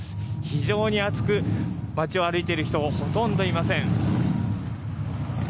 非常に暑く、街を歩いている人ほとんどいません。